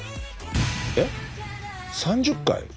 えっ３０回？